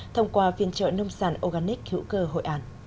thông qua phiên trợ nông sản organic hữu cơ hội an